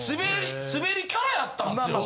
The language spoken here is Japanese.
スベりキャラやったんですよ。